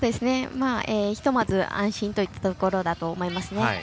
ひとまず安心といったところだと思います。